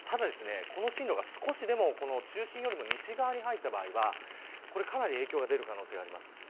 ただ、この進路が中心よりも西側に入った場合はかなり影響が出る可能性があります。